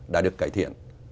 đã được cải thiện